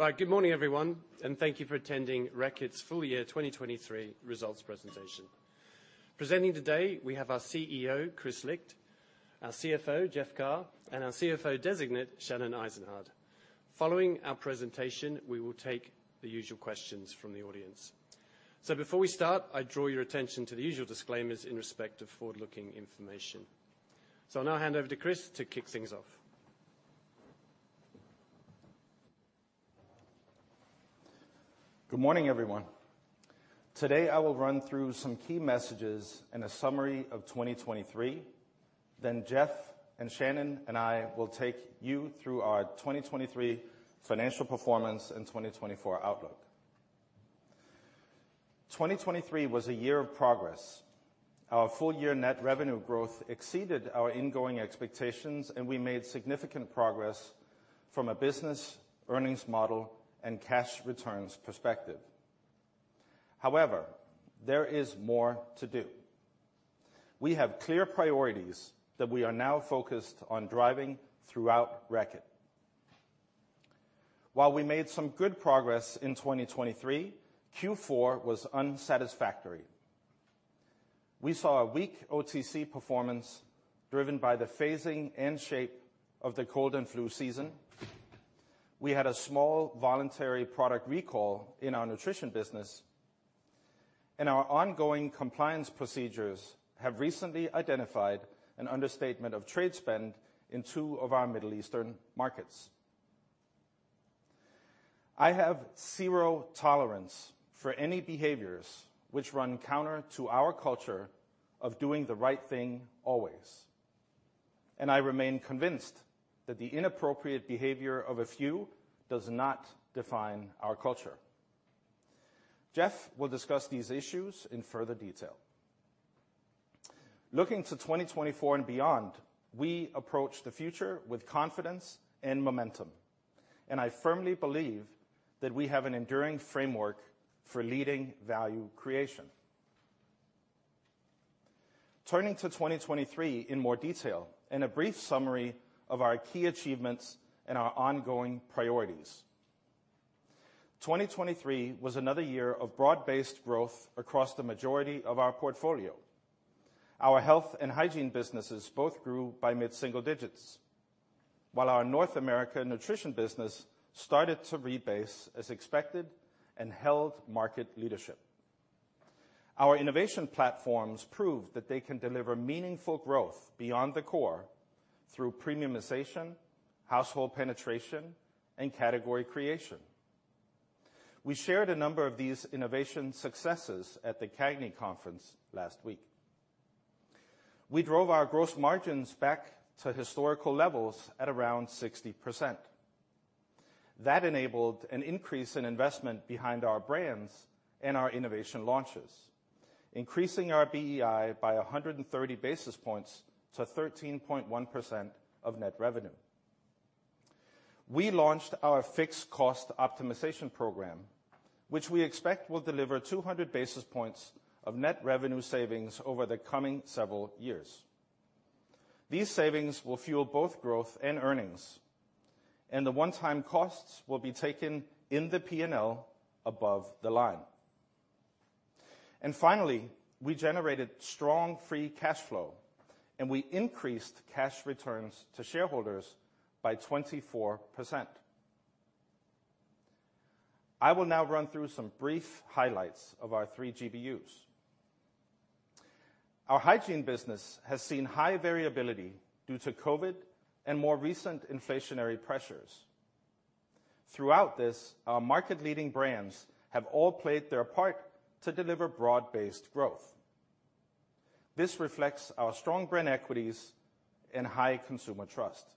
Right, good morning everyone, and thank you for attending Reckitt's Full Year 2023 results presentation. Presenting today, we have our CEO, Kris Licht, our CFO, Jeff Carr, and our CFO Designate, Shannon Eisenhardt. Following our presentation, we will take the usual questions from the audience. Before we start, I draw your attention to the usual disclaimers in respect of forward-looking information. I'll now hand over to Kris to kick things off. Good morning everyone. Today I will run through some key messages and a summary of 2023, then Jeff and Shannon and I will take you through our 2023 financial performance and 2024 outlook. 2023 was a year of progress. Our full year net revenue growth exceeded our ingoing expectations, and we made significant progress from a business earnings model and cash returns perspective. However, there is more to do. We have clear priorities that we are now focused on driving throughout Reckitt. While we made some good progress in 2023, Q4 was unsatisfactory. We saw a weak OTC performance driven by the phasing and shape of the cold and flu season. We had a small voluntary product recall in our Nutrition business, and our ongoing compliance procedures have recently identified an understatement of trade spend in two of our Middle East markets. I have zero tolerance for any behaviors which run counter to our culture of doing the right thing always, and I remain convinced that the inappropriate behavior of a few does not define our culture. Jeff will discuss these issues in further detail. Looking to 2024 and beyond, we approach the future with confidence and momentum, and I firmly believe that we have an enduring framework for leading value creation. Turning to 2023 in more detail and a brief summary of our key achievements and our ongoing priorities. 2023 was another year of broad-based growth across the majority of our portfolio. Our health and hygiene businesses both grew by mid-single digits, while our North America Nutrition business started to rebase as expected and held market leadership. Our innovation platforms proved that they can deliver meaningful growth beyond the core through premiumization, household penetration, and category creation. We shared a number of these innovation successes at the CAGNY conference last week. We drove our gross margins back to historical levels at around 60%. That enabled an increase in investment behind our brands and our innovation launches, increasing our BEI by 130 basis points to 13.1% of net revenue. We launched our fixed cost optimization program, which we expect will deliver 200 basis points of net revenue savings over the coming several years. These savings will fuel both growth and earnings, and the one-time costs will be taken in the P&L above the line. And finally, we generated strong free cash flow, and we increased cash returns to shareholders by 24%. I will now run through some brief highlights of our three GBUs. Our hygiene business has seen high variability due to COVID and more recent inflationary pressures. Throughout this, our market-leading brands have all played their part to deliver broad-based growth. This reflects our strong brand equities and high consumer trust.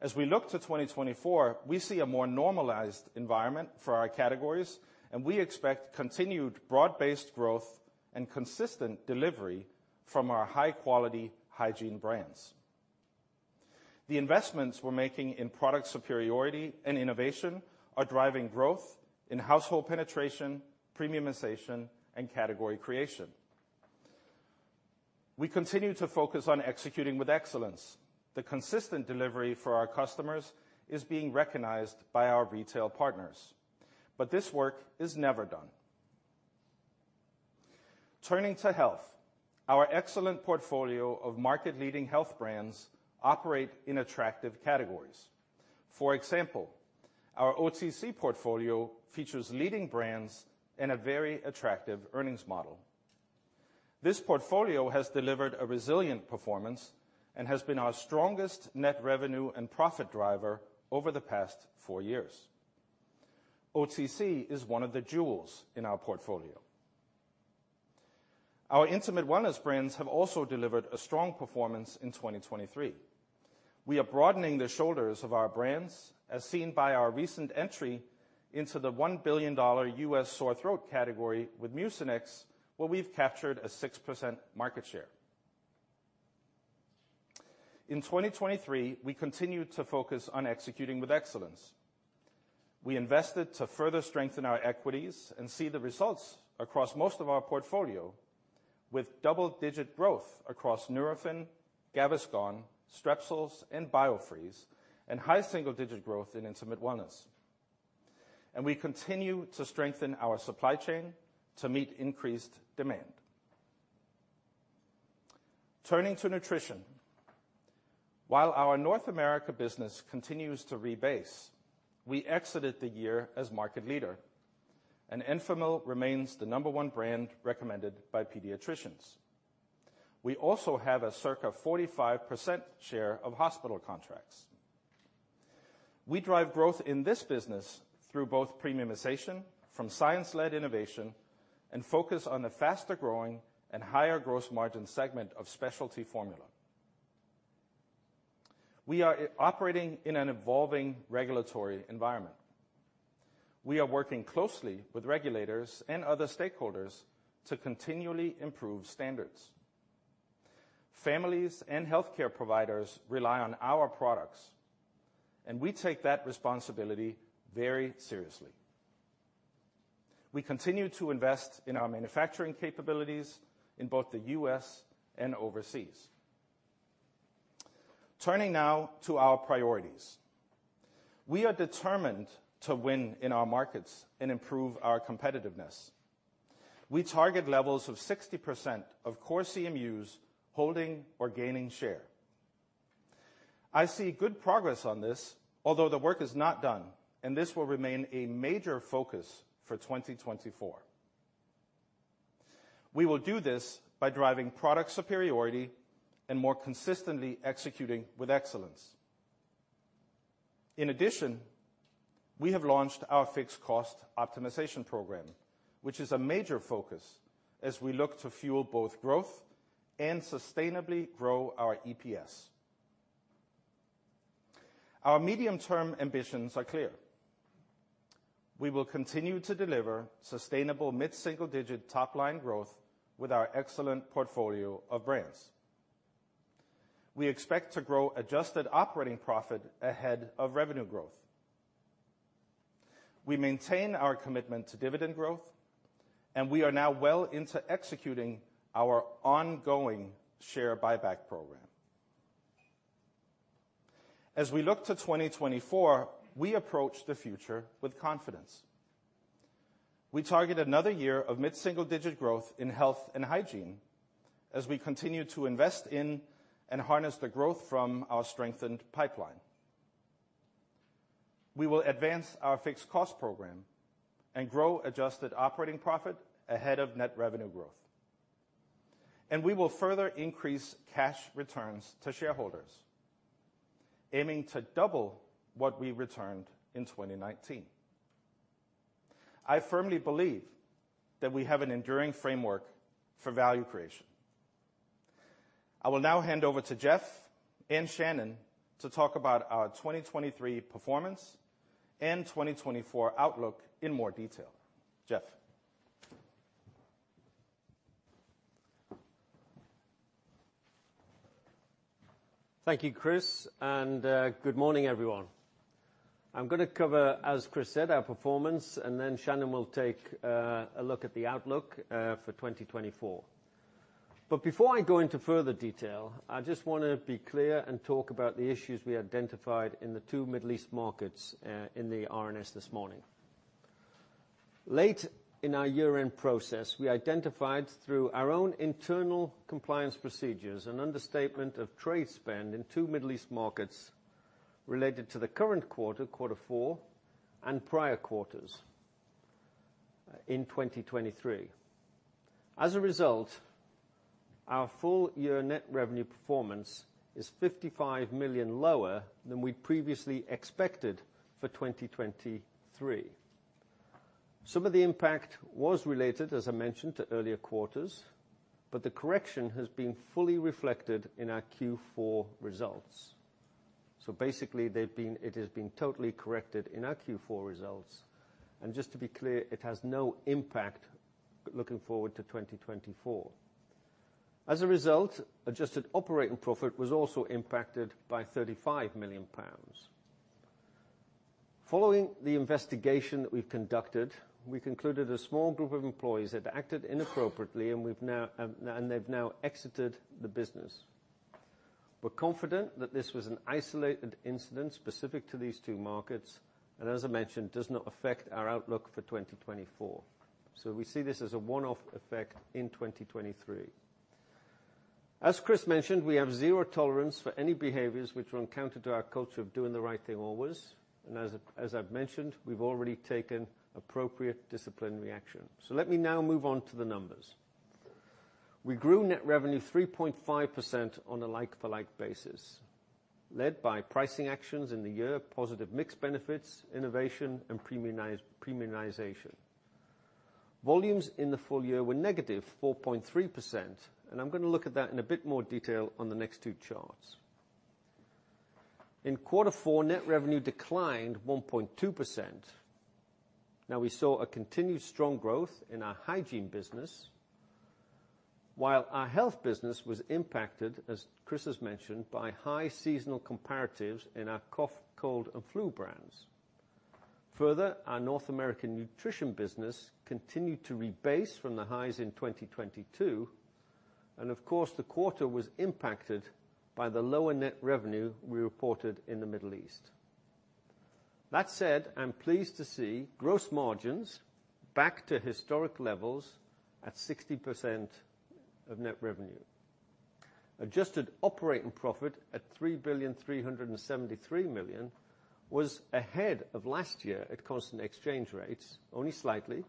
As we look to 2024, we see a more normalized environment for our categories, and we expect continued broad-based growth and consistent delivery from our high-quality hygiene brands. The investments we're making in product superiority and innovation are driving growth in household penetration, premiumization, and category creation. We continue to focus on executing with excellence. The consistent delivery for our customers is being recognized by our retail partners, but this work is never done. Turning to health, our excellent portfolio of market-leading health brands operate in attractive categories. For example, our OTC portfolio features leading brands and a very attractive earnings model. This portfolio has delivered a resilient performance and has been our strongest net revenue and profit driver over the past four years. OTC is one of the jewels in our portfolio. Our intimate wellness brands have also delivered a strong performance in 2023. We are broadening the shoulders of our brands, as seen by our recent entry into the $1 billion US sore throat category with Mucinex, where we've captured a 6% market share. In 2023, we continue to focus on executing with excellence. We invested to further strengthen our equities and see the results across most of our portfolio, with double-digit growth across Nurofen, Gaviscon, Strepsils, and Biofreeze, and high single-digit growth in intimate wellness. And we continue to strengthen our supply chain to meet increased demand. Turning to nutrition. While our North America business continues to rebase, we exited the year as market leader, and Enfamil remains the number one brand recommended by pediatricians. We also have a circa 45% share of hospital contracts. We drive growth in this business through both premiumization from science-led innovation and focus on a faster-growing and higher gross margin segment of specialty formula. We are operating in an evolving regulatory environment. We are working closely with regulators and other stakeholders to continually improve standards. Families and healthcare providers rely on our products, and we take that responsibility very seriously. We continue to invest in our manufacturing capabilities in both the U.S. and overseas. Turning now to our priorities. We are determined to win in our markets and improve our competitiveness. We target levels of 60% of core CMUs holding or gaining share. I see good progress on this, although the work is not done, and this will remain a major focus for 2024. We will do this by driving product superiority and more consistently executing with excellence. In addition, we have launched our fixed cost optimization program, which is a major focus as we look to fuel both growth and sustainably grow our EPS. Our medium-term ambitions are clear. We will continue to deliver sustainable mid-single-digit top-line growth with our excellent portfolio of brands. We expect to grow adjusted operating profit ahead of revenue growth. We maintain our commitment to dividend growth, and we are now well into executing our ongoing share buyback program. As we look to 2024, we approach the future with confidence. We target another year of mid-single-digit growth in health and hygiene as we continue to invest in and harness the growth from our strengthened pipeline. We will advance our fixed cost program and grow adjusted operating profit ahead of net revenue growth. We will further increase cash returns to shareholders, aiming to double what we returned in 2019. I firmly believe that we have an enduring framework for value creation. I will now hand over to Jeff and Shannon to talk about our 2023 performance and 2024 outlook in more detail. Jeff. Thank you, Kris, and good morning everyone. I'm going to cover, as Kris said, our performance, and then Shannon will take a look at the outlook for 2024. Before I go into further detail, I just want to be clear and talk about the issues we identified in the two Middle East markets in the RNS this morning. Late in our year-end process, we identified, through our own internal compliance procedures, an understatement of trade spend in two Middle East markets related to the current quarter, quarter four, and prior quarters in 2023. As a result, our full year net revenue performance is 55 million lower than we previously expected for 2023. Some of the impact was related, as I mentioned, to earlier quarters, but the correction has been fully reflected in our Q4 results. So basically, it has been totally corrected in our Q4 results, and just to be clear, it has no impact looking forward to 2024. As a result, adjusted operating profit was also impacted by 35 million pounds. Following the investigation that we've conducted, we concluded a small group of employees had acted inappropriately, and they've now exited the business. We're confident that this was an isolated incident specific to these two markets and, as I mentioned, does not affect our outlook for 2024. So we see this as a one-off effect in 2023. As Kris mentioned, we have zero tolerance for any behaviors which are encountered to our culture of doing the right thing always, and as I've mentioned, we've already taken appropriate disciplined reaction. So let me now move on to the numbers. We grew net revenue 3.5% on a like-for-like basis, led by pricing actions in the year, positive mixed benefits, innovation, and premiumization. Volumes in the full year were negative 4.3%, and I'm going to look at that in a bit more detail on the next two charts. In quarter four, net revenue declined 1.2%. Now, we saw a continued strong growth in our hygiene business, while our health business was impacted, as Kris has mentioned, by high seasonal comparatives in our cough, cold, and flu brands. Further, our North American nutrition business continued to rebase from the highs in 2022, and of course, the quarter was impacted by the lower net revenue we reported in the Middle East. That said, I'm pleased to see gross margins back to historic levels at 60% of net revenue. Adjusted operating profit at 3,373 million was ahead of last year at constant exchange rates, only slightly,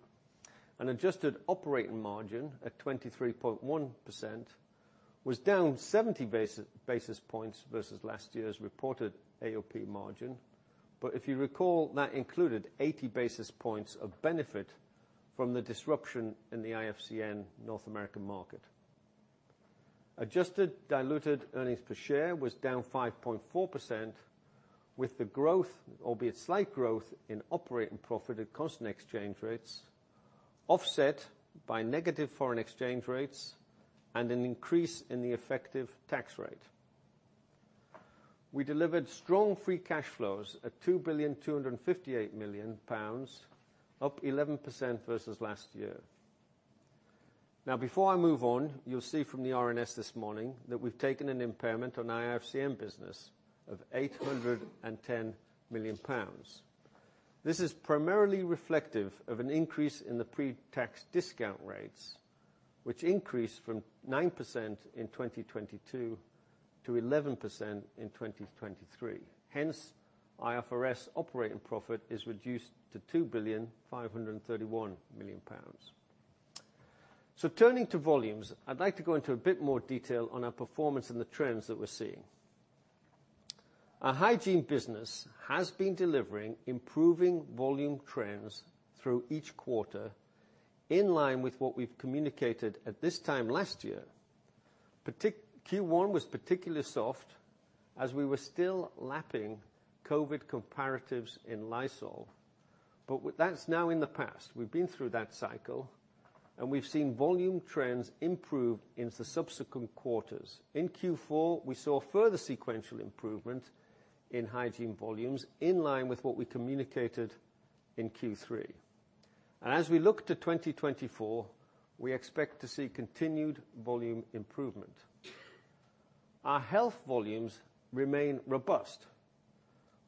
and adjusted operating margin at 23.1% was down 70 basis points versus last year's reported AOP margin, but if you recall, that included 80 basis points of benefit from the disruption in the IFCN North America market. Adjusted diluted earnings per share was down 5.4% with the growth, albeit slight growth, in operating profit at constant exchange rates offset by negative foreign exchange rates and an increase in the effective tax rate. We delivered strong free cash flows at 2,258 million pounds, up 11% versus last year. Now, before I move on, you'll see from the RNS this morning that we've taken an impairment on our IFCN business of 810 million pounds. This is primarily reflective of an increase in the pre-tax discount rates, which increased from 9% in 2022 to 11% in 2023. Hence, IFRS operating profit is reduced to 2,531 million pounds. Turning to volumes, I'd like to go into a bit more detail on our performance and the trends that we're seeing. Our hygiene business has been delivering improving volume trends through each quarter in line with what we've communicated at this time last year. Q1 was particularly soft as we were still lapping COVID comparatives in Lysol, but that's now in the past. We've been through that cycle, and we've seen volume trends improve in the subsequent quarters. In Q4, we saw further sequential improvement in hygiene volumes in line with what we communicated in Q3. And as we look to 2024, we expect to see continued volume improvement. Our health volumes remain robust.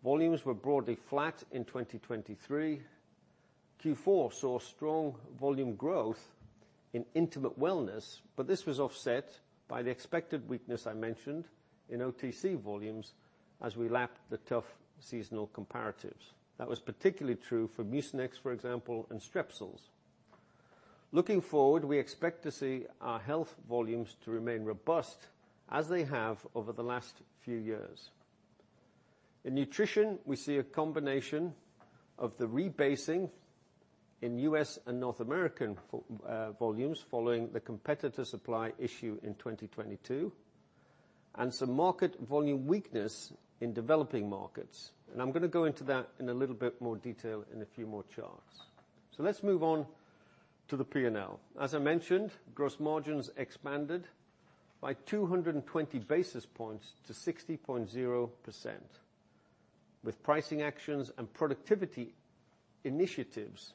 Volumes were broadly flat in 2023. Q4 saw strong volume growth in intimate wellness, but this was offset by the expected weakness I mentioned in OTC volumes as we lapped the tough seasonal comparatives. That was particularly true for Mucinex, for example, and Strepsils. Looking forward, we expect to see our health volumes to remain robust as they have over the last few years. In nutrition, we see a combination of the rebasing in U.S. and North American volumes following the competitor supply issue in 2022 and some market volume weakness in developing markets, and I'm going to go into that in a little bit more detail in a few more charts. So let's move on to the P&L. As I mentioned, gross margins expanded by 220 basis points to 60.0% with pricing actions and productivity initiatives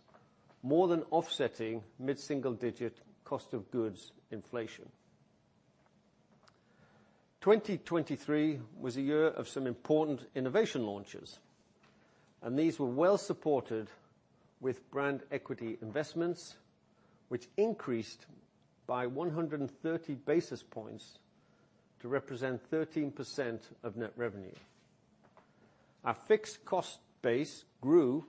more than offsetting mid-single-digit cost of goods inflation. 2023 was a year of some important innovation launches, and these were well supported with brand equity investments, which increased by 130 basis points to represent 13% of net revenue. Our fixed cost base grew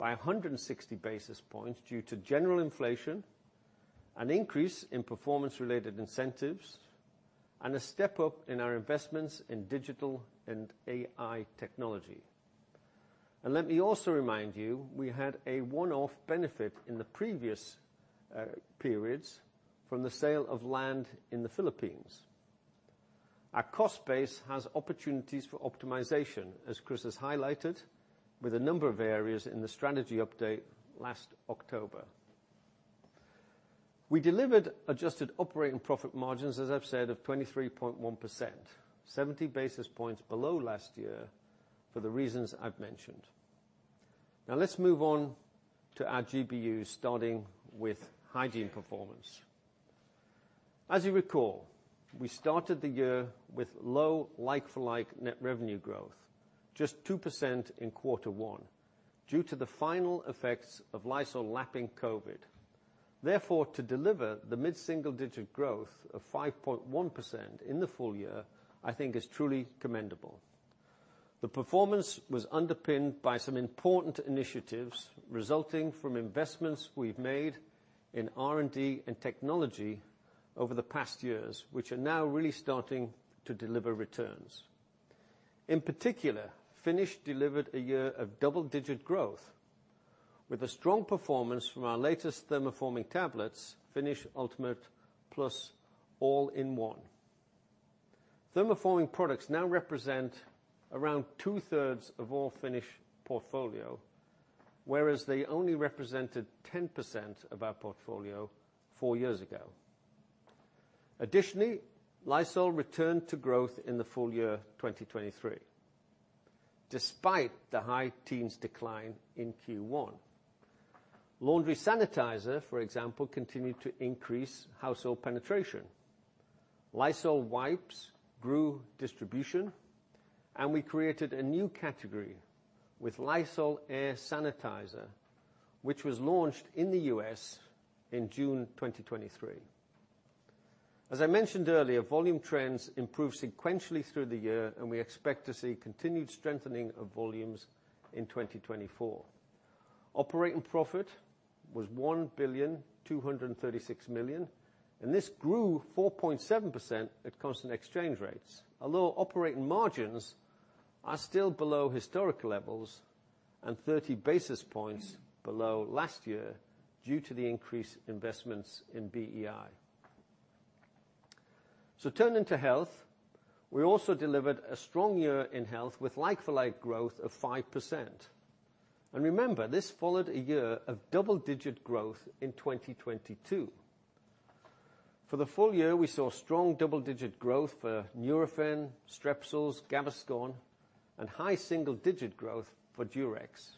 by 160 basis points due to general inflation, an increase in performance-related incentives, and a step up in our investments in digital and AI technology. Let me also remind you, we had a one-off benefit in the previous periods from the sale of land in the Philippines. Our cost base has opportunities for optimization, as Kris has highlighted, with a number of areas in the strategy update last October. We delivered adjusted operating profit margins, as I've said, of 23.1%, 70 basis points below last year for the reasons I've mentioned. Now, let's move on to our GBUs, starting with hygiene performance. As you recall, we started the year with low like-for-like net revenue growth, just 2% in quarter one, due to the final effects of Lysol lapping COVID. Therefore, to deliver the mid-single-digit growth of 5.1% in the full year, I think, is truly commendable. The performance was underpinned by some important initiatives resulting from investments we've made in R&D and technology over the past years, which are now really starting to deliver returns. In particular, Finish delivered a year of double-digit growth with a strong performance from our latest thermoforming tablets, Finish Ultimate Plus All-in-One. Thermoforming products now represent around two-thirds of all Finish portfolio, whereas they only represented 10% of our portfolio four years ago. Additionally, Lysol returned to growth in the full year 2023 despite the high teens decline in Q1. Laundry sanitizer, for example, continued to increase household penetration. Lysol wipes grew distribution, and we created a new category with Lysol Air Sanitizer, which was launched in the U.S. in June 2023. As I mentioned earlier, volume trends improve sequentially through the year, and we expect to see continued strengthening of volumes in 2024. Operating profit was $1,236 million, and this grew 4.7% at constant exchange rates, although operating margins are still below historical levels and 30 basis points below last year due to the increased investments in BEI. So turning to health, we also delivered a strong year in health with like-for-like growth of 5%. And remember, this followed a year of double-digit growth in 2022. For the full year, we saw strong double-digit growth for Nurofen, Strepsils, Gaviscon, and high single-digit growth for Durex.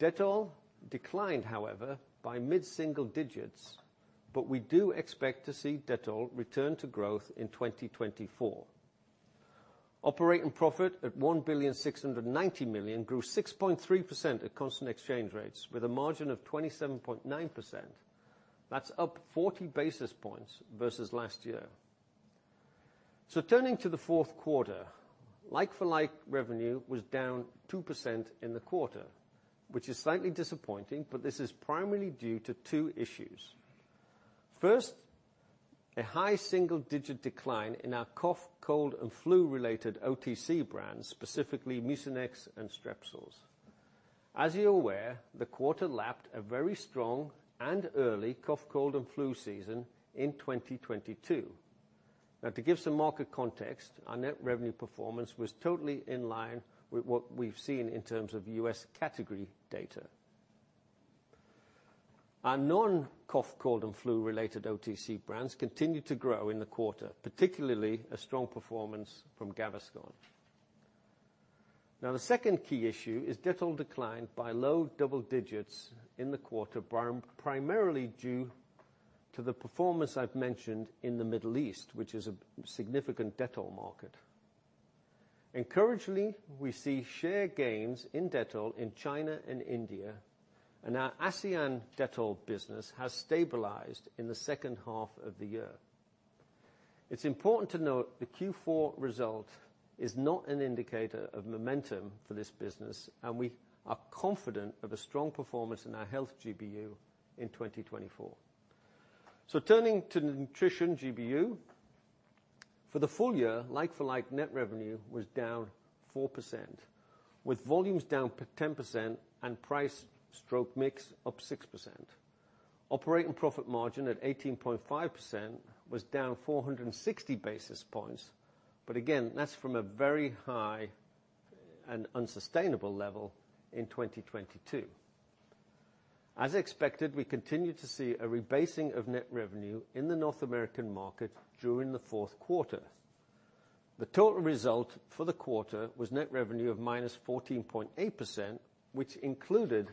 Dettol declined, however, by mid-single digits, but we do expect to see Dettol return to growth in 2024. Operating profit at $1,690 million grew 6.3% at constant exchange rates with a margin of 27.9%. That's up 40 basis points versus last year. So turning to the fourth quarter, like-for-like revenue was down 2% in the quarter, which is slightly disappointing, but this is primarily due to two issues. First, a high single-digit decline in our cough, cold, and flu-related OTC brands, specifically Mucinex and Strepsils. As you're aware, the quarter lapped a very strong and early cough, cold, and flu season in 2022. Now, to give some market context, our net revenue performance was totally in line with what we've seen in terms of U.S. category data. Our non-cough, cold, and flu-related OTC brands continued to grow in the quarter, particularly a strong performance from Gaviscon. Now, the second key issue is Dettol declined by low double digits in the quarter, primarily due to the performance I've mentioned in the Middle East, which is a significant Dettol market. Encouragingly, we see share gains in Dettol in China and India, and our ASEAN Dettol business has stabilized in the second half of the year. It's important to note the Q4 result is not an indicator of momentum for this business, and we are confident of a strong performance in our health GBU in 2024. Turning to nutrition GBU, for the full year, like-for-like net revenue was down 4% with volumes down 10% and price/mix up 6%. Operating profit margin at 18.5% was down 460 basis points, but again, that's from a very high and unsustainable level in 2022. As expected, we continue to see a rebasing of net revenue in the North American market during the fourth quarter. The total result for the quarter was net revenue of -14.8%, which included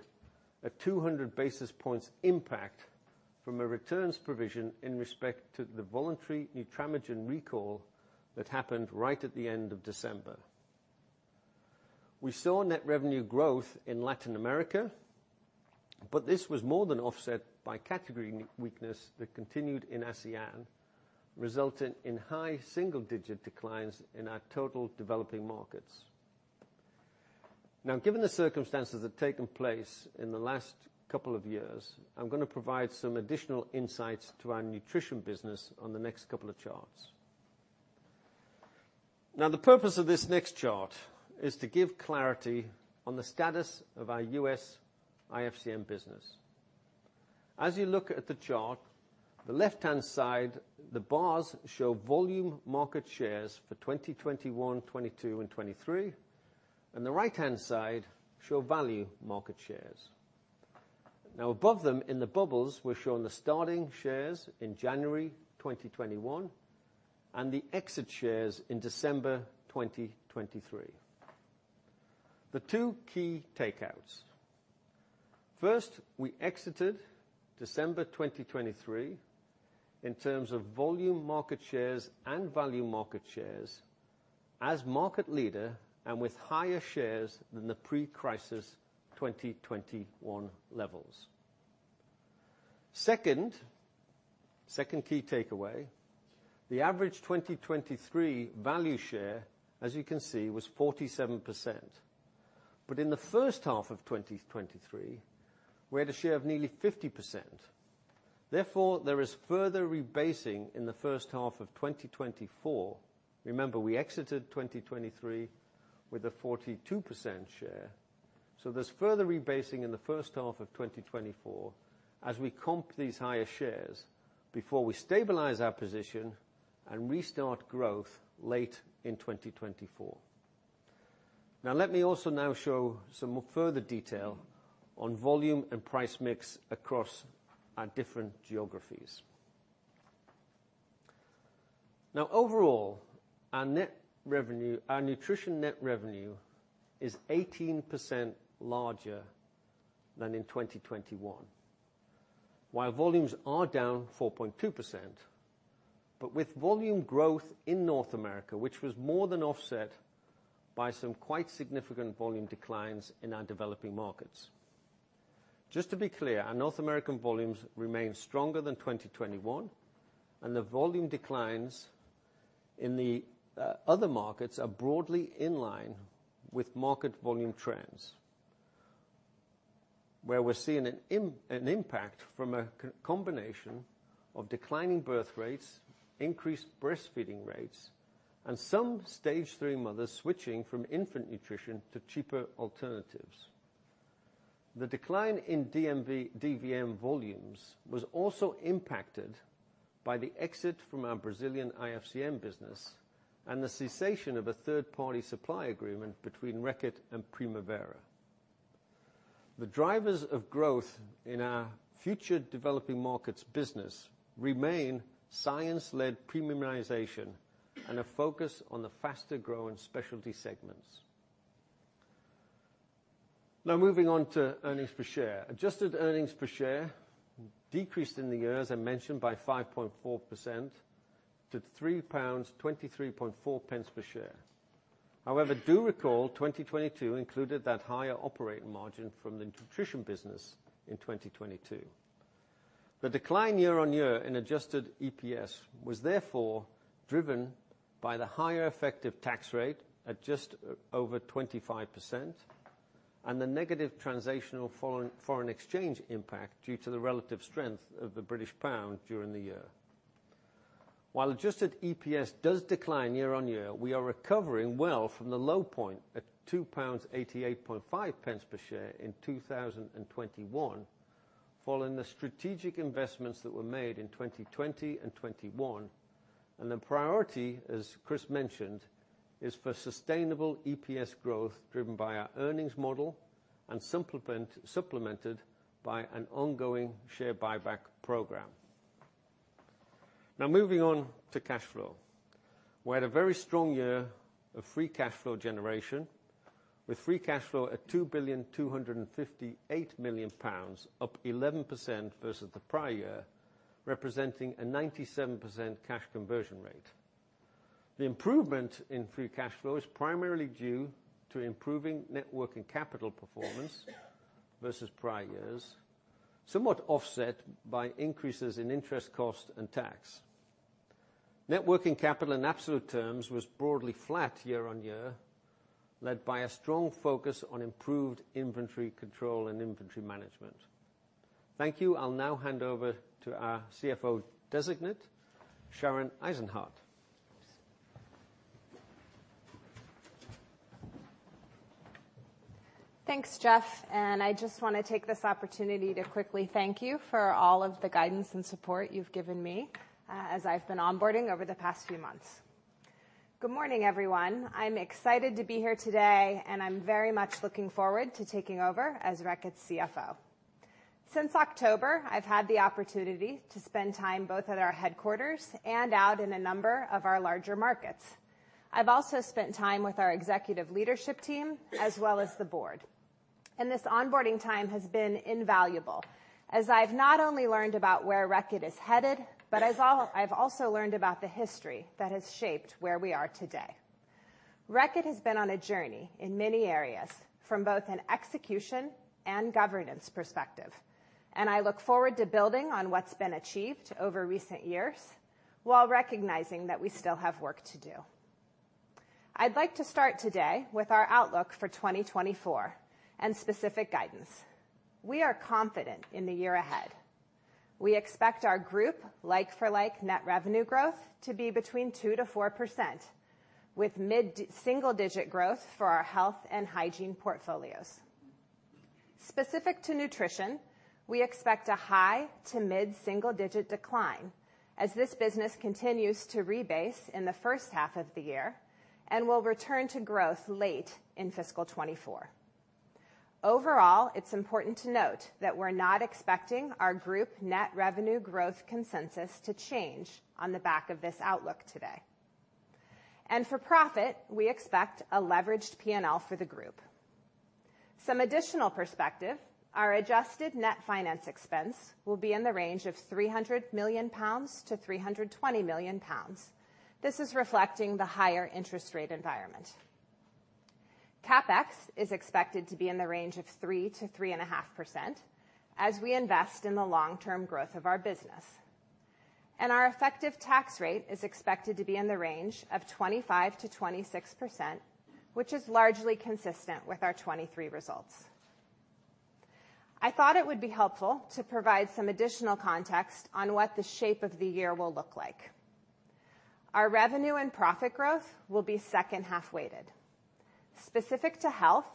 a 200 basis points impact from a returns provision in respect to the voluntary Nutramigen recall that happened right at the end of December. We saw net revenue growth in Latin America, but this was more than offset by category weakness that continued in ASEAN, resulting in high single-digit declines in our total developing markets. Now, given the circumstances that have taken place in the last couple of years, I'm going to provide some additional insights to our nutrition business on the next couple of charts. Now, the purpose of this next chart is to give clarity on the status of our U.S. IFCN business. As you look at the chart, the left-hand side, the bars show volume market shares for 2021, 2022, and 2023, and the right-hand side show value market shares. Now, above them, in the bubbles, we're showing the starting shares in January 2021 and the exit shares in December 2023, the two key takeouts. First, we exited December 2023 in terms of volume market shares and value market shares as market leader and with higher shares than the pre-crisis 2021 levels. Second key takeaway, the average 2023 value share, as you can see, was 47%, but in the first half of 2023, we had a share of nearly 50%. Therefore, there is further rebasing in the first half of 2024. Remember, we exited 2023 with a 42% share, so there's further rebasing in the first half of 2024 as we comp these higher shares before we stabilize our position and restart growth late in 2024. Now, let me also now show some further detail on volume and price mix across our different geographies. Now, overall, our nutrition net revenue is 18% larger than in 2021, while volumes are down 4.2%, but with volume growth in North America, which was more than offset by some quite significant volume declines in our developing markets. Just to be clear, our North American volumes remain stronger than 2021, and the volume declines in the other markets are broadly in line with market volume trends where we're seeing an impact from a combination of declining birth rates, increased breastfeeding rates, and some stage three mothers switching from infant nutrition to cheaper alternatives. The decline in DVM volumes was also impacted by the exit from our Brazilian IFCN business and the cessation of a third-party supply agreement between Reckitt and Primavera. The drivers of growth in our future developing markets business remain science-led premiumization and a focus on the faster-growing specialty segments. Now, moving on to earnings per share. Adjusted earnings per share decreased in the year, as I mentioned, by 5.4% to 3.234 pounds per share. However, do recall 2022 included that higher operating margin from the nutrition business in 2022. The decline year-on-year in adjusted EPS was therefore driven by the higher effective tax rate at just over 25% and the negative transactional foreign exchange impact due to the relative strength of the British pound during the year. While adjusted EPS does decline year-on-year, we are recovering well from the low point at 2.885 pounds per share in 2021 following the strategic investments that were made in 2020 and 2021, and the priority, as Kris mentioned, is for sustainable EPS growth driven by our earnings model and supplemented by an ongoing share buyback program. Now, moving on to cash flow. We had a very strong year of free cash flow generation with free cash flow at 2.258 million pounds, up 11% versus the prior year, representing a 97% cash conversion rate. The improvement in free cash flow is primarily due to improving working capital performance versus prior years, somewhat offset by increases in interest cost and tax. Working capital in absolute terms was broadly flat year-on-year, led by a strong focus on improved inventory control and inventory management. Thank you. I'll now hand over to our CFO Designate, Shannon Eisenhardt. Thanks, Jeff. I just want to take this opportunity to quickly thank you for all of the guidance and support you've given me as I've been onboarding over the past few months. Good morning, everyone. I'm excited to be here today, and I'm very much looking forward to taking over as Reckitt's CFO. Since October, I've had the opportunity to spend time both at our headquarters and out in a number of our larger markets. I've also spent time with our executive leadership team as well as the board. This onboarding time has been invaluable as I've not only learned about where Reckitt is headed, but I've also learned about the history that has shaped where we are today. Reckitt has been on a journey in many areas from both an execution and governance perspective, and I look forward to building on what's been achieved over recent years while recognizing that we still have work to do. I'd like to start today with our outlook for 2024 and specific guidance. We are confident in the year ahead. We expect our group like-for-like net revenue growth to be between 2%-4% with mid-single-digit growth for our health and hygiene portfolios. Specific to nutrition, we expect a high to mid-single-digit decline as this business continues to rebase in the first half of the year and will return to growth late in fiscal 2024. Overall, it's important to note that we're not expecting our group net revenue growth consensus to change on the back of this outlook today. For profit, we expect a leveraged P&L for the group. Some additional perspective, our adjusted net finance expense will be in the range of 300 million-320 million pounds. This is reflecting the higher interest rate environment. CapEx is expected to be in the range of 3%-3.5% as we invest in the long-term growth of our business. Our effective tax rate is expected to be in the range of 25%-26%, which is largely consistent with our 2023 results. I thought it would be helpful to provide some additional context on what the shape of the year will look like. Our revenue and profit growth will be second-half weighted. Specific to health,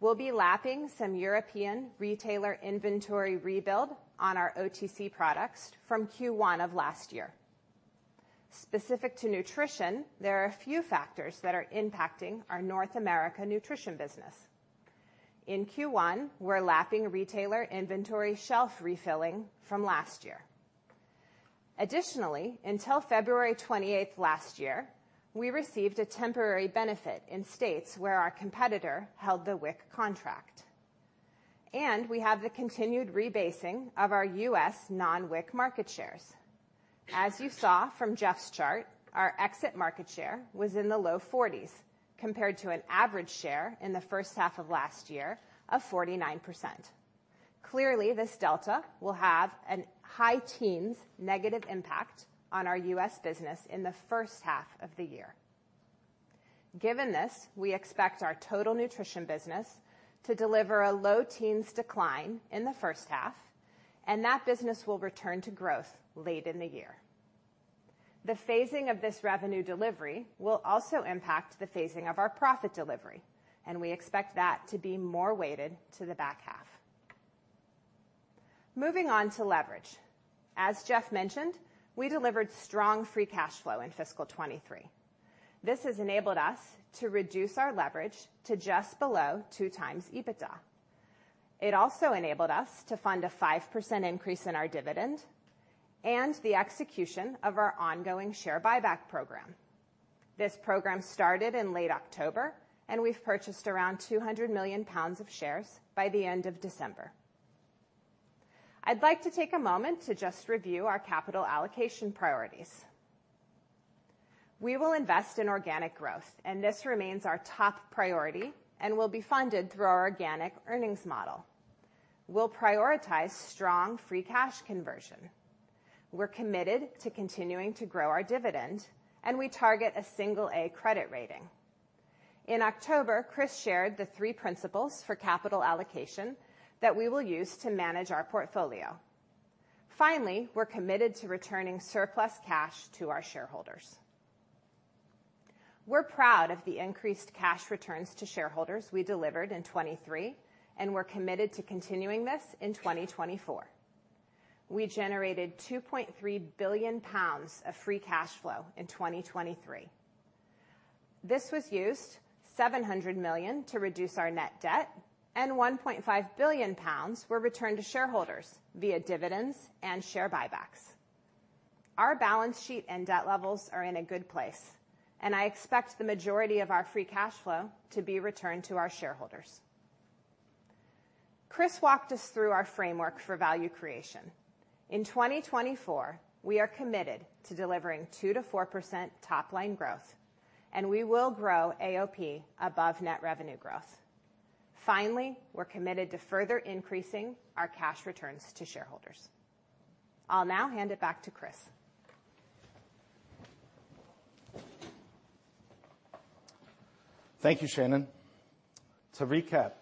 we'll be lapping some European retailer inventory rebuild on our OTC products from Q1 of last year. Specific to nutrition, there are a few factors that are impacting our North America nutrition business. In Q1, we're lapping retailer inventory shelf refilling from last year. Additionally, until February 28th last year, we received a temporary benefit in states where our competitor held the WIC contract. We have the continued rebasing of our U.S. non-WIC market shares. As you saw from Jeff's chart, our exit market share was in the low 40s compared to an average share in the first half of last year of 49%. Clearly, this delta will have a high teens negative impact on our U.S. business in the first half of the year. Given this, we expect our total nutrition business to deliver a low teens decline in the first half, and that business will return to growth late in the year. The phasing of this revenue delivery will also impact the phasing of our profit delivery, and we expect that to be more weighted to the back half. Moving on to leverage. As Jeff mentioned, we delivered strong free cash flow in fiscal 2023. This has enabled us to reduce our leverage to just below 2x EBITDA. It also enabled us to fund a 5% increase in our dividend and the execution of our ongoing share buyback program. This program started in late October, and we've purchased around 200 million pounds of shares by the end of December. I'd like to take a moment to just review our capital allocation priorities. We will invest in organic growth, and this remains our top priority and will be funded through our organic earnings model. We'll prioritize strong free cash conversion. We're committed to continuing to grow our dividend, and we target a Single-A credit rating. In October, Kris shared the three principles for capital allocation that we will use to manage our portfolio. Finally, we're committed to returning surplus cash to our shareholders. We're proud of the increased cash returns to shareholders we delivered in 2023, and we're committed to continuing this in 2024. We generated 2.3 billion pounds of free cash flow in 2023. This was used 700 million to reduce our net debt, and 1.5 billion pounds were returned to shareholders via dividends and share buybacks. Our balance sheet and debt levels are in a good place, and I expect the majority of our free cash flow to be returned to our shareholders. Kris walked us through our framework for value creation. In 2024, we are committed to delivering 2%-4% top-line growth, and we will grow AOP above net revenue growth. Finally, we're committed to further increasing our cash returns to shareholders. I'll now hand it back to Kris. Thank you, Shannon. To recap,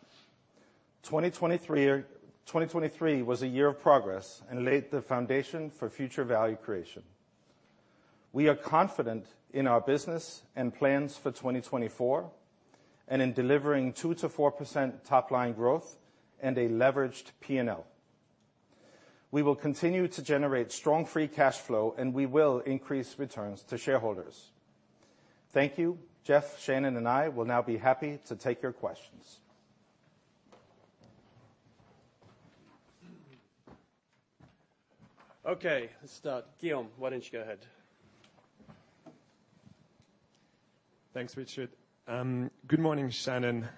2023 was a year of progress and laid the foundation for future value creation. We are confident in our business and plans for 2024 and in delivering 2%-4% top-line growth and a leveraged P&L. We will continue to generate strong free cash flow, and we will increase returns to shareholders. Thank you. Jeff, Shannon, and I will now be happy to take your questions. Okay. Let's start. Guillaume, why don't you go ahead? Thanks, Richard. Good morning, Shannon,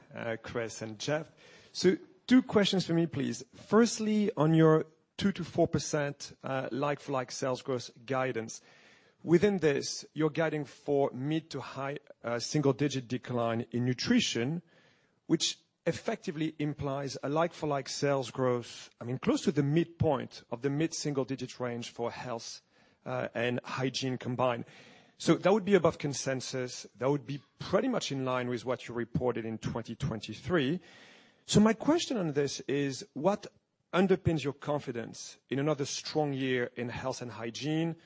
Kris, and Jeff. So two questions for me, please. Firstly, on your 2%-4% like-for-like sales growth guidance, within this, you're guiding for mid- to high-single-digit decline in nutrition, which effectively implies a like-for-like sales growth, I mean, close to the midpoint of the mid-single-digit range for health and hygiene combined. So that would be above consensus. That would be pretty much in line with what you reported in 2023. So my question on this is, what underpins your confidence in another strong year in health and hygiene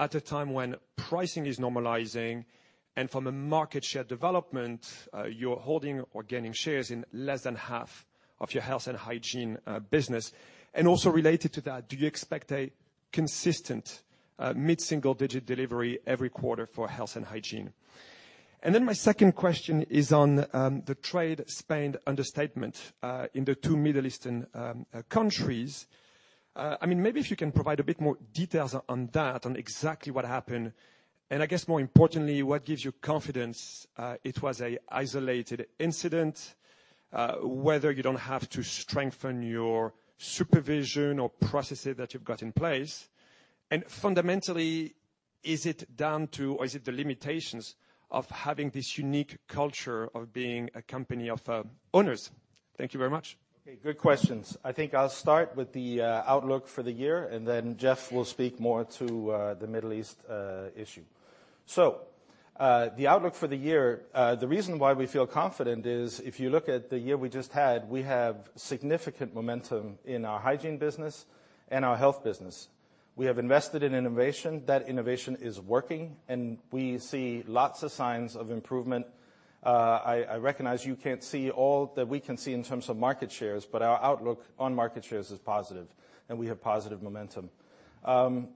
at a time when pricing is normalizing and from a market share development, you're holding or gaining shares in less than half of your health and hygiene business? And also related to that, do you expect a consistent mid-single-digit delivery every quarter for health and hygiene? Then my second question is on the trade spend understatement in the two Middle East countries. I mean, maybe if you can provide a bit more details on that, on exactly what happened, and I guess more importantly, what gives you confidence it was an isolated incident, whether you don't have to strengthen your supervision or processes that you've got in place. And fundamentally, is it down to or is it the limitations of having this unique culture of being a company of owners? Thank you very much. Okay. Good questions. I think I'll start with the outlook for the year, and then Jeff will speak more to the Middle East issue. So the outlook for the year, the reason why we feel confident is if you look at the year we just had, we have significant momentum in our hygiene business and our health business. We have invested in innovation. That innovation is working, and we see lots of signs of improvement. I recognize you can't see all that we can see in terms of market shares, but our outlook on market shares is positive, and we have positive momentum.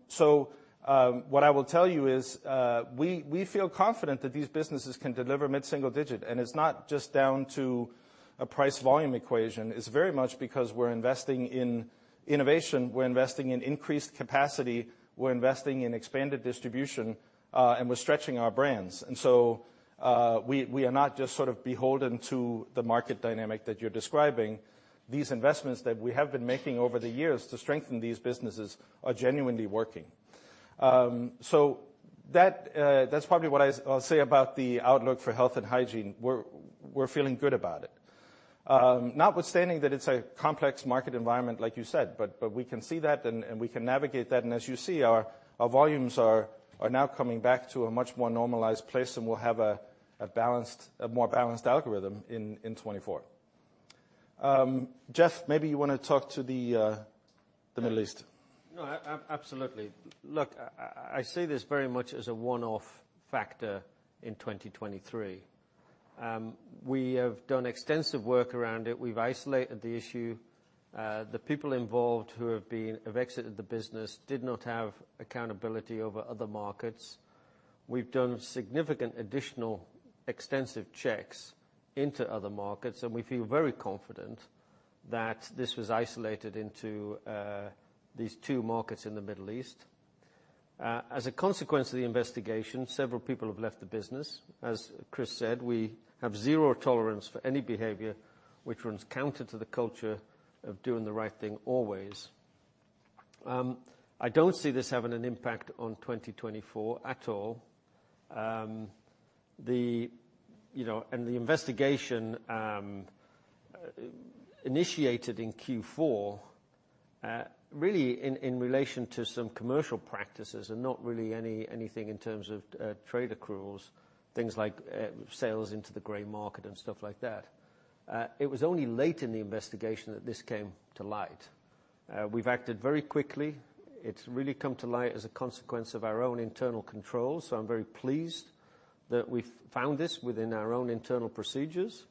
So what I will tell you is we feel confident that these businesses can deliver mid-single-digit, and it's not just down to a price-volume equation. It's very much because we're investing in innovation. We're investing in increased capacity. We're investing in expanded distribution, and we're stretching our brands. And so we are not just sort of beholden to the market dynamic that you're describing. These investments that we have been making over the years to strengthen these businesses are genuinely working. So that's probably what I'll say about the outlook for health and hygiene. We're feeling good about it, notwithstanding that it's a complex market environment, like you said, but we can see that, and we can navigate that. And as you see, our volumes are now coming back to a much more normalized place, and we'll have a more balanced algorithm in 2024. Jeff, maybe you want to talk to the Middle East. No, absolutely. Look, I see this very much as a one-off factor in 2023. We have done extensive work around it. We've isolated the issue. The people involved who have exited the business did not have accountability over other markets. We've done significant additional extensive checks into other markets, and we feel very confident that this was isolated into these two markets in the Middle East. As a consequence of the investigation, several people have left the business. As Kris said, we have zero tolerance for any behavior which runs counter to the culture of doing the right thing always. I don't see this having an impact on 2024 at all. The investigation initiated in Q4, really in relation to some commercial practices and not really anything in terms of trade accruals, things like sales into the gray market and stuff like that. It was only late in the investigation that this came to light. We've acted very quickly. It's really come to light as a consequence of our own internal control. So I'm very pleased that we've found this within our own internal procedures,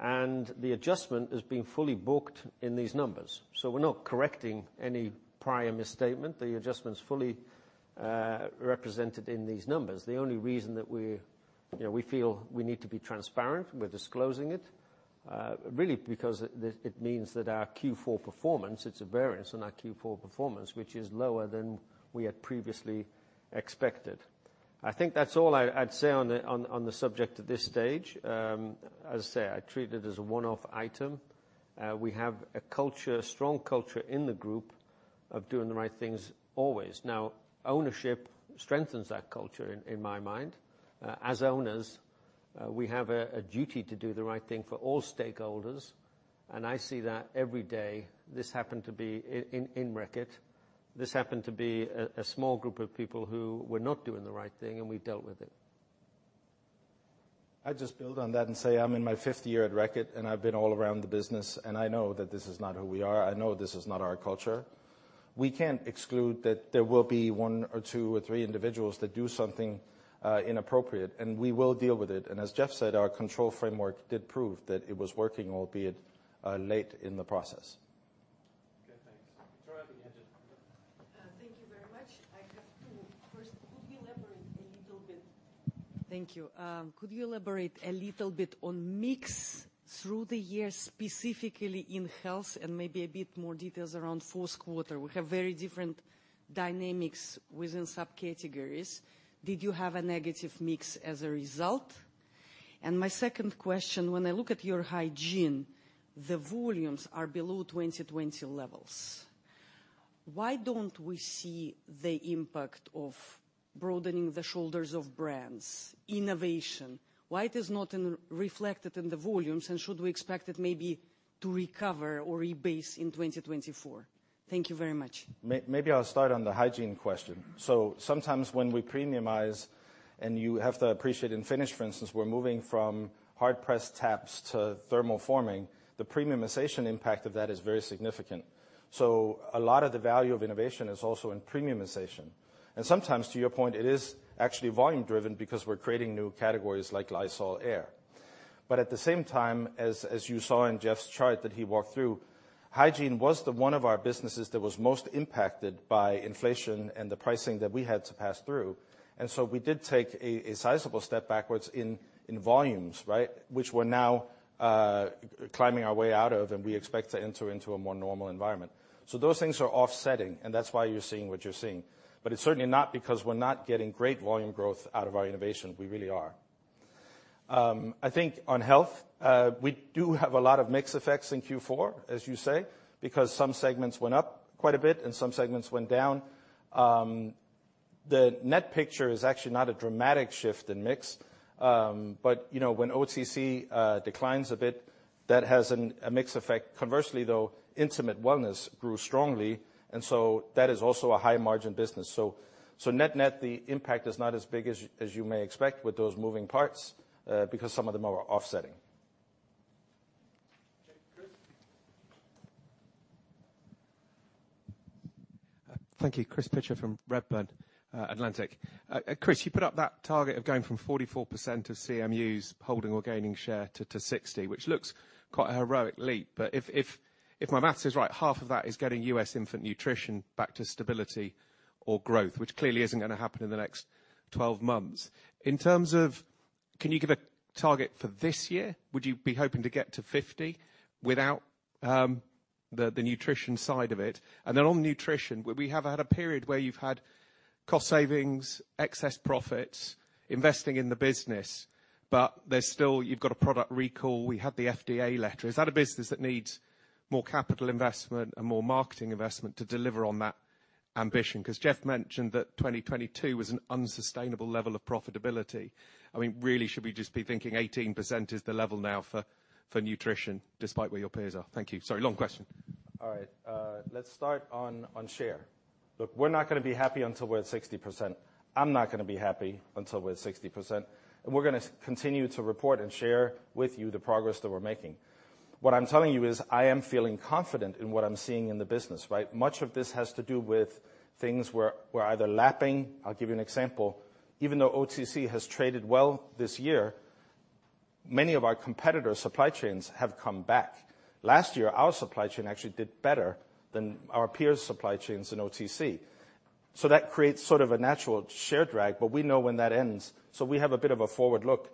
and the adjustment has been fully booked in these numbers. So we're not correcting any prior misstatement. The adjustment's fully represented in these numbers. The only reason that we feel we need to be transparent, we're disclosing it, really because it means that our Q4 performance, it's a variance on our Q4 performance, which is lower than we had previously expected. I think that's all I'd say on the subject at this stage. As I say, I treat it as a one-off item. We have a strong culture in the group of doing the right things always. Now, ownership strengthens that culture in my mind. As owners, we have a duty to do the right thing for all stakeholders. And I see that every day. This happened to be in Reckitt. This happened to be a small group of people who were not doing the right thing, and we dealt with it. I'd just build on that and say I'm in my fifth year at Reckitt, and I've been all around the business, and I know that this is not who we are. I know this is not our culture. We can't exclude that there will be one or two or three individuals that do something inappropriate, and we will deal with it. As Jeff said, our control framework did prove that it was working, albeit late in the process. Okay. Thanks. Victoria, I think you had your. Thank you very much. I have two. First, could you elaborate a little bit? Thank you. Could you elaborate a little bit on mix through the years, specifically in health and maybe a bit more details around fourth quarter? We have very different dynamics within subcategories. Did you have a negative mix as a result? And my second question, when I look at your hygiene, the volumes are below 2020 levels. Why don't we see the impact of broadening the shoulders of brands, innovation? Why it is not reflected in the volumes, and should we expect it maybe to recover or rebase in 2024? Thank you very much. Maybe I'll start on the hygiene question. So sometimes when we premiumize, and you have to appreciate in Finish, for instance, we're moving from hard-pressed tabs to thermoforming. The premiumization impact of that is very significant. So a lot of the value of innovation is also in premiumization. And sometimes, to your point, it is actually volume-driven because we're creating new categories like Lysol Air. But at the same time, as you saw in Jeff's chart that he walked through, hygiene was one of our businesses that was most impacted by inflation and the pricing that we had to pass through. And so we did take a sizable step backwards in volumes, right, which we're now climbing our way out of, and we expect to enter into a more normal environment. So those things are offsetting, and that's why you're seeing what you're seeing. But it's certainly not because we're not getting great volume growth out of our innovation. We really are. I think on Health, we do have a lot of mix effects in Q4, as you say, because some segments went up quite a bit and some segments went down. The net picture is actually not a dramatic shift in mix. But when OTC declines a bit, that has a mix effect. Conversely, though, Intimate Wellness grew strongly, and so that is also a high-margin business. So net-net, the impact is not as big as you may expect with those moving parts because some of them are offsetting. Okay. Chris? Thank you. Chris Pitcher from Redburn Atlantic. Kris, you put up that target of going from 44% of CMUs holding or gaining share to 60%, which looks quite a heroic leap. But if my math is right, half of that is getting US infant nutrition back to stability or growth, which clearly isn't going to happen in the next 12 months. In terms of can you give a target for this year? Would you be hoping to get to 50% without the nutrition side of it? And then on nutrition, we have had a period where you've had cost savings, excess profits, investing in the business, but you've got a product recall. We had the FDA letter. Is that a business that needs more capital investment and more marketing investment to deliver on that ambition? Because Jeff mentioned that 2022 was an unsustainable level of profitability. I mean, really, should we just be thinking 18% is the level now for nutrition despite where your peers are? Thank you. Sorry. Long question. All right. Let's start on share. Look, we're not going to be happy until we're at 60%. I'm not going to be happy until we're at 60%. We're going to continue to report and share with you the progress that we're making. What I'm telling you is I am feeling confident in what I'm seeing in the business, right? Much of this has to do with things we're either lapping. I'll give you an example. Even though OTC has traded well this year, many of our competitor supply chains have come back. Last year, our supply chain actually did better than our peers' supply chains in OTC. So that creates sort of a natural share drag, but we know when that ends. So we have a bit of a forward look.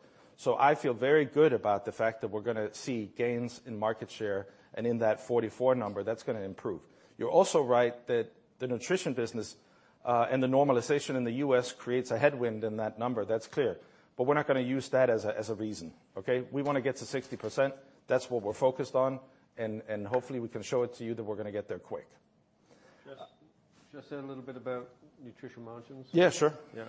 I feel very good about the fact that we're going to see gains in market share and in that 44 number. That's going to improve. You're also right that the nutrition business and the normalization in the U.S. creates a headwind in that number. That's clear. We're not going to use that as a reason, okay? We want to get to 60%. That's what we're focused on. Hopefully, we can show it to you that we're going to get there quick. Jeff, just say a little bit about nutrition margins. Yeah, sure. Yeah.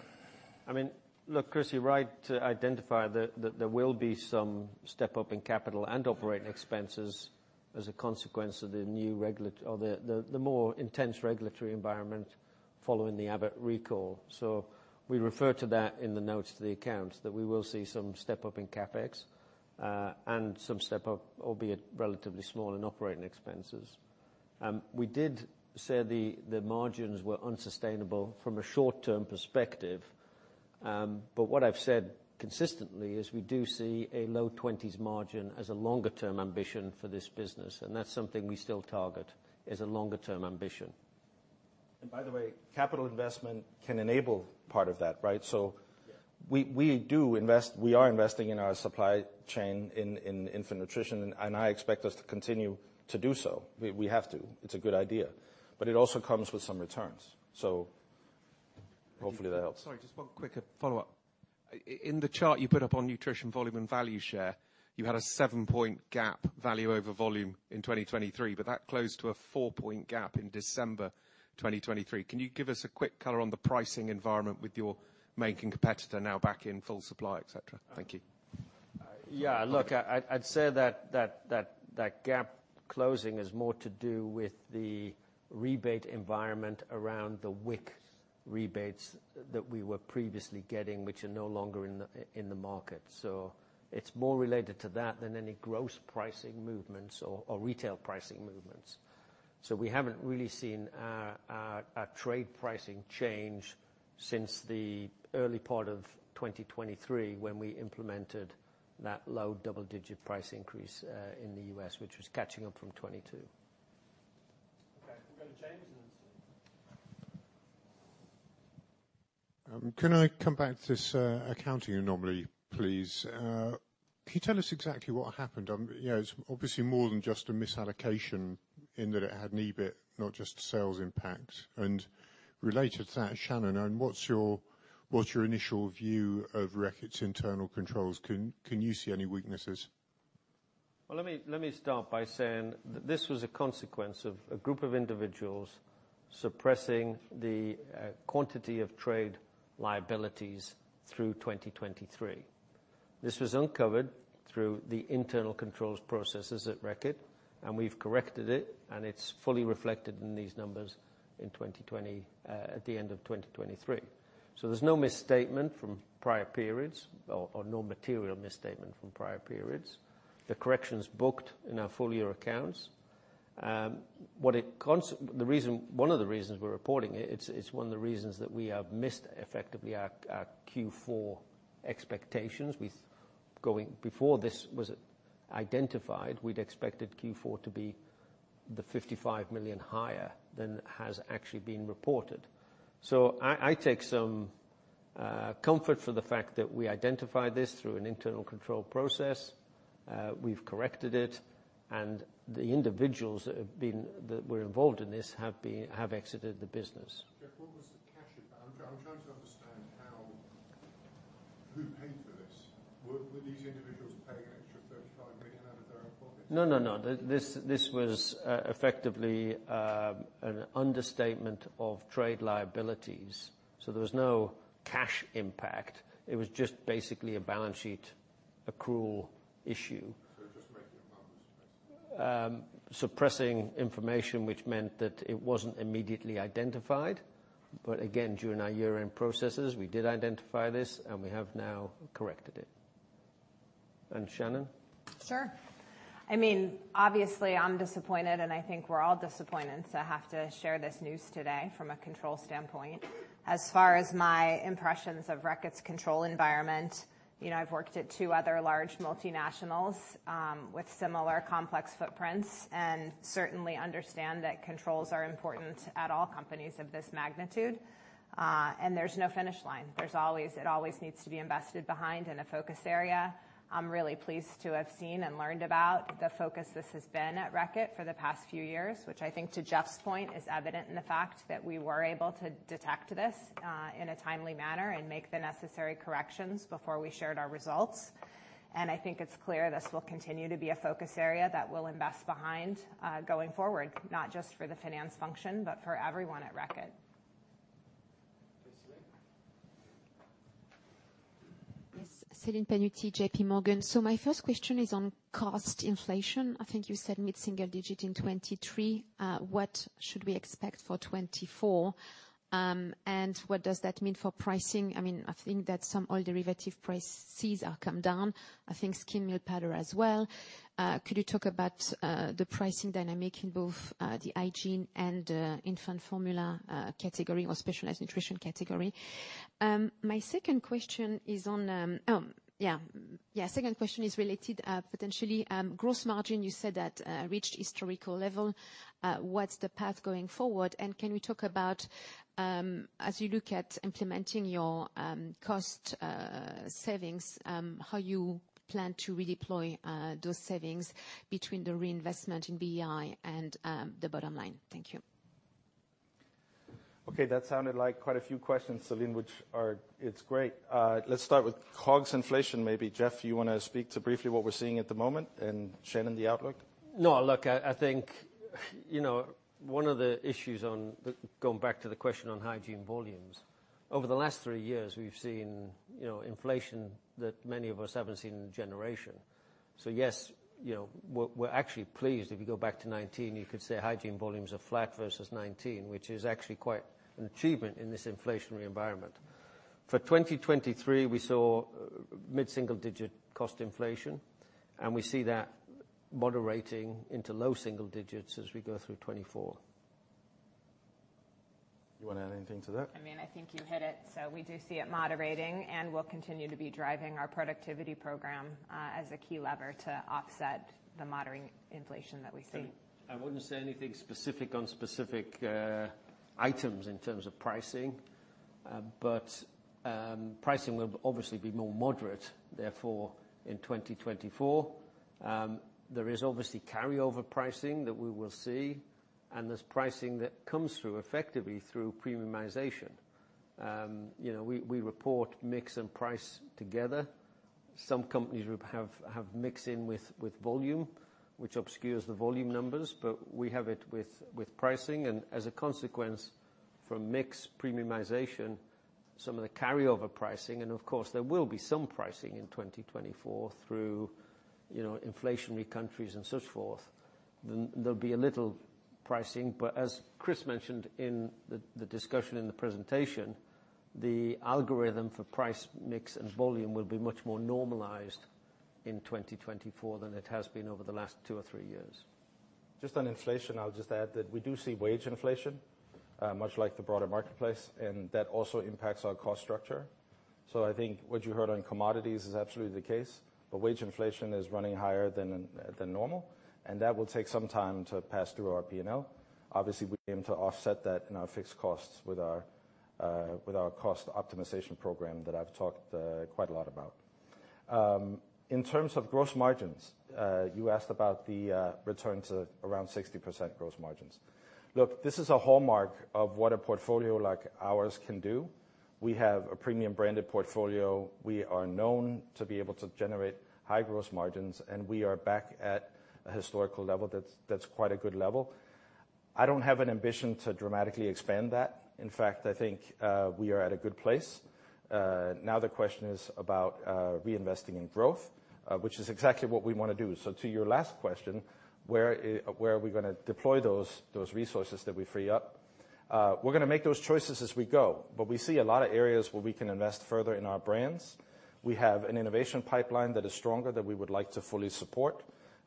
I mean, look, Chris, you're right to identify that there will be some step-up in capital and operating expenses as a consequence of the more intense regulatory environment following the Abbott recall. So we refer to that in the notes to the accounts, that we will see some step-up in CapEx and some step-up, albeit relatively small, in operating expenses. We did say the margins were unsustainable from a short-term perspective. But what I've said consistently is we do see a low-20s margin as a longer-term ambition for this business. That's something we still target as a longer-term ambition. By the way, capital investment can enable part of that, right? We are investing in our supply chain in infant nutrition, and I expect us to continue to do so. We have to. It's a good idea. It also comes with some returns. Hopefully, that helps. Sorry. Just one quick follow-up. In the chart you put up on nutrition, volume, and value share, you had a 7-point gap value over volume in 2023, but that closed to a 4-point gap in December 2023. Can you give us a quick color on the pricing environment with your main competitor now back in full supply, etc.? Thank you. Yeah. Look, I'd say that that gap closing is more to do with the rebate environment around the WIC rebates that we were previously getting, which are no longer in the market. So it's more related to that than any gross pricing movements or retail pricing movements. So we haven't really seen our trade pricing change since the early part of 2023 when we implemented that low double-digit price increase in the U.S., which was catching up from '22. Okay. We've got a James and then Steve. Can I come back to this accounting anomaly, please? Can you tell us exactly what happened? It's obviously more than just a misallocation in that it had net EBIT, not just sales impact. And related to that, Shannon, what's your initial view of Reckitt's internal controls? Can you see any weaknesses? Well, let me start by saying that this was a consequence of a group of individuals suppressing the quantity of trade liabilities through 2023. This was uncovered through the internal controls processes at Reckitt, and we've corrected it, and it's fully reflected in these numbers at the end of 2023. So there's no misstatement from prior periods or no material misstatement from prior periods. The correction's booked in our full year accounts. One of the reasons we're reporting it, it's one of the reasons that we have missed, effectively, our Q4 expectations. Before this was identified, we'd expected Q4 to be 55 million higher than has actually been reported. So I take some comfort for the fact that we identified this through an internal control process. We've corrected it, and the individuals that were involved in this have exited the business. Jeff, what was the cash? I'm trying to understand who paid for this. Were these individuals paying an extra GBP 35 million out of their own pockets? No, no, no. This was effectively an understatement of trade liabilities. So there was no cash impact. It was just basically a balance sheet accrual issue. Just making up numbers, basically. Suppressing information, which meant that it wasn't immediately identified. But again, during our year-end processes, we did identify this, and we have now corrected it. And Shannon? Sure. I mean, obviously, I'm disappointed, and I think we're all disappointed to have to share this news today from a control standpoint. As far as my impressions of Reckitt's control environment, I've worked at two other large multinationals with similar complex footprints and certainly understand that controls are important at all companies of this magnitude. There's no finish line. It always needs to be invested behind in a focus area. I'm really pleased to have seen and learned about the focus this has been at Reckitt for the past few years, which I think, to Jeff's point, is evident in the fact that we were able to detect this in a timely manner and make the necessary corrections before we shared our results. I think it's clear this will continue to be a focus area that we'll invest behind going forward, not just for the finance function, but for everyone at Reckitt. Thanks, Céline. Yes. Céline Pannuti, JP Morgan. So my first question is on cost inflation. I think you said mid-single digit in 2023. What should we expect for 2024? And what does that mean for pricing? I mean, I think that some oil derivative prices have come down. I think skim milk powder as well. Could you talk about the pricing dynamic in both the hygiene and the infant formula category or specialized nutrition category? My second question is related, potentially. Gross margin, you said that reached historical level. What's the path going forward? And can we talk about, as you look at implementing your cost savings, how you plan to redeploy those savings between the reinvestment in BEI and the bottom line? Thank you. Okay. That sounded like quite a few questions, Céline, which are—it's great. Let's start with COGS inflation, maybe. Jeff, you want to speak to briefly what we're seeing at the moment and Shannon, the outlook? No. Look, I think one of the issues on going back to the question on hygiene volumes, over the last three years, we've seen inflation that many of us haven't seen in a generation. So yes, we're actually pleased. If you go back to 2019, you could say hygiene volumes are flat versus 2019, which is actually quite an achievement in this inflationary environment. For 2023, we saw mid-single-digit cost inflation, and we see that moderating into low single digits as we go through 2024. You want to add anything to that? I mean, I think you hit it. So we do see it moderating, and we'll continue to be driving our productivity program as a key lever to offset the moderating inflation that we see. I wouldn't say anything specific on specific items in terms of pricing, but pricing will obviously be more moderate, therefore, in 2024. There is obviously carryover pricing that we will see, and there's pricing that comes through, effectively, through premiumization. We report mix and price together. Some companies have mix in with volume, which obscures the volume numbers, but we have it with pricing. And as a consequence from mix premiumization, some of the carryover pricing and of course, there will be some pricing in 2024 through inflationary countries and so forth. There'll be a little pricing. But as Chris mentioned in the discussion in the presentation, the algorithm for price, mix, and volume will be much more normalized in 2024 than it has been over the last two or three years. Just on inflation, I'll just add that we do see wage inflation, much like the broader marketplace, and that also impacts our cost structure. So I think what you heard on commodities is absolutely the case, but wage inflation is running higher than normal, and that will take some time to pass through our P&L. Obviously, we aim to offset that in our fixed costs with our cost optimization program that I've talked quite a lot about. In terms of gross margins, you asked about the return to around 60% gross margins. Look, this is a hallmark of what a portfolio like ours can do. We have a premium-branded portfolio. We are known to be able to generate high gross margins, and we are back at a historical level that's quite a good level. I don't have an ambition to dramatically expand that. In fact, I think we are at a good place. Now, the question is about reinvesting in growth, which is exactly what we want to do. So to your last question, where are we going to deploy those resources that we free up? We're going to make those choices as we go, but we see a lot of areas where we can invest further in our brands. We have an innovation pipeline that is stronger that we would like to fully support.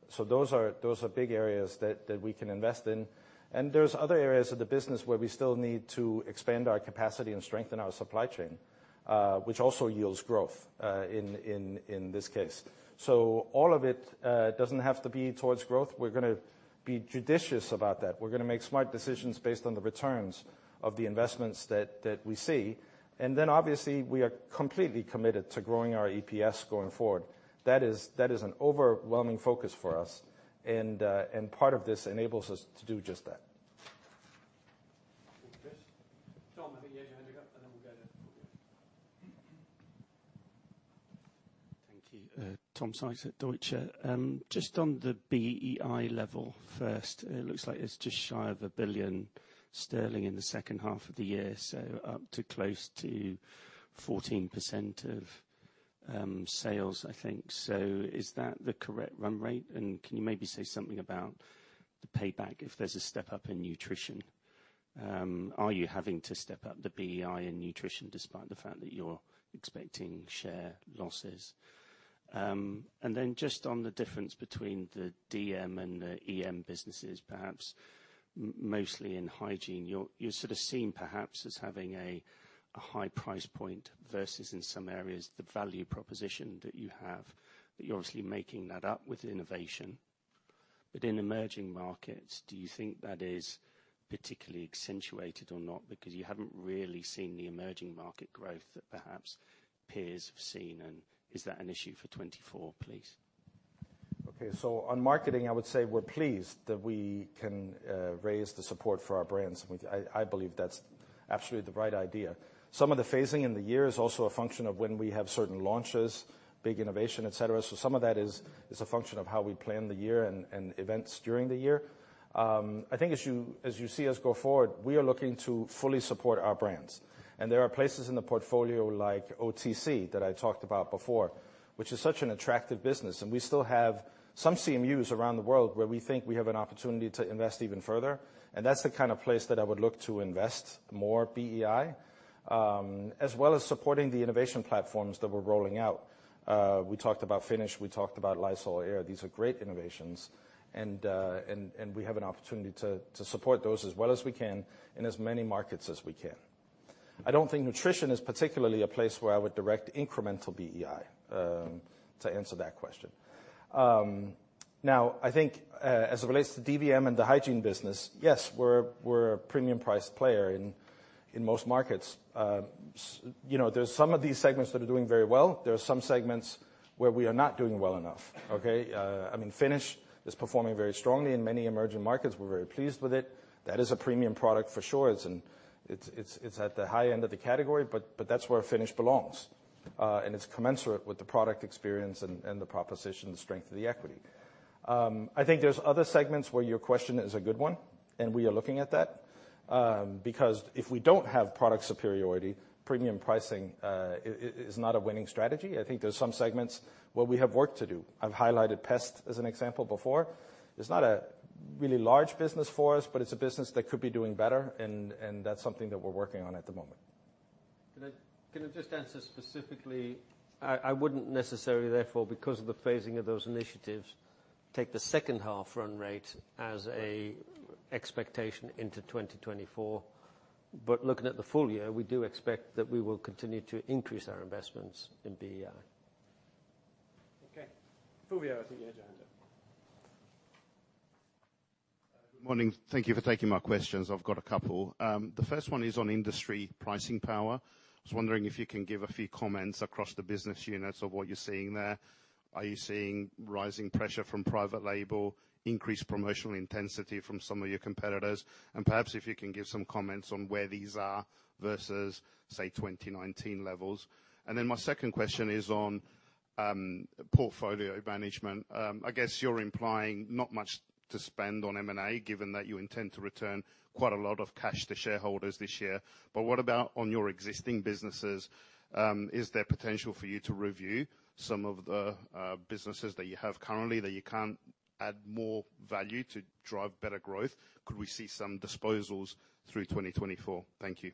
So those are big areas that we can invest in. And there's other areas of the business where we still need to expand our capacity and strengthen our supply chain, which also yields growth in this case. So all of it doesn't have to be towards growth. We're going to be judicious about that. We're going to make smart decisions based on the returns of the investments that we see. Then obviously, we are completely committed to growing our EPS going forward. That is an overwhelming focus for us, and part of this enables us to do just that. Thanks, Kris. Tom, I think you had your hand up, and then we'll go to. Thank you. Tom Sykes at Deutsche Bank. Just on the BEI level first, it looks like it's just shy of 1 billion sterling in the second half of the year, so up to close to 14% of sales, I think. So is that the correct run rate? And can you maybe say something about the payback if there's a step-up in nutrition? Are you having to step up the BEI in nutrition despite the fact that you're expecting share losses? And then just on the difference between the DM and the EM businesses, perhaps mostly in hygiene, you're sort of seen, perhaps, as having a high price point versus in some areas, the value proposition that you have, that you're obviously making that up with innovation. But in emerging markets, do you think that is particularly accentuated or not because you haven't really seen the emerging market growth that perhaps peers have seen? And is that an issue for 2024, please? Okay. So on marketing, I would say we're pleased that we can raise the support for our brands. I believe that's absolutely the right idea. Some of the phasing in the year is also a function of when we have certain launches, big innovation, etc. So some of that is a function of how we plan the year and events during the year. I think as you see us go forward, we are looking to fully support our brands. And there are places in the portfolio like OTC that I talked about before, which is such an attractive business. And we still have some CMUs around the world where we think we have an opportunity to invest even further. And that's the kind of place that I would look to invest more BEI, as well as supporting the innovation platforms that we're rolling out. We talked about Finish. We talked about Lysol Air. These are great innovations, and we have an opportunity to support those as well as we can in as many markets as we can. I don't think nutrition is particularly a place where I would direct incremental BEI to answer that question. Now, I think as it relates to DVM and the hygiene business, yes, we're a premium-priced player in most markets. There's some of these segments that are doing very well. There are some segments where we are not doing well enough, okay? I mean, Finish is performing very strongly in many emerging markets. We're very pleased with it. That is a premium product, for sure. It's at the high end of the category, but that's where Finish belongs. And it's commensurate with the product experience and the proposition, the strength of the equity. I think there's other segments where your question is a good one, and we are looking at that because if we don't have product superiority, premium pricing is not a winning strategy. I think there's some segments where we have work to do. I've highlighted Pest as an example before. It's not a really large business for us, but it's a business that could be doing better, and that's something that we're working on at the moment. Can I just answer specifically? I wouldn't necessarily, therefore, because of the phasing of those initiatives, take the second-half run rate as an expectation into 2024. But looking at the full year, we do expect that we will continue to increase our investments in BEI. Okay. Fulvio, I think you had your hand up. Good morning. Thank you for taking my questions. I've got a couple. The first one is on industry pricing power. I was wondering if you can give a few comments across the business units of what you're seeing there. Are you seeing rising pressure from private label, increased promotional intensity from some of your competitors? And perhaps if you can give some comments on where these are versus, say, 2019 levels. And then my second question is on portfolio management. I guess you're implying not much to spend on M&A, given that you intend to return quite a lot of cash to shareholders this year. But what about on your existing businesses? Is there potential for you to review some of the businesses that you have currently that you can't add more value to drive better growth? Could we see some disposals through 2024? Thank you.